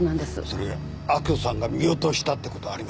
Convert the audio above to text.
それ明子さんが見落としたってことありませんか？